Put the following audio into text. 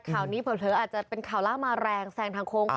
ข่าวนี้เผลออาจจะเป็นข่าวล่ามาแรงแซงทางโค้ง